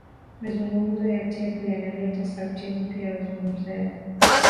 mazungumzo ya tepu yanaleta sauti mpya za wazungumzaji